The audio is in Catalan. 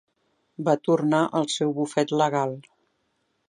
Va tornar al seu bufet legal.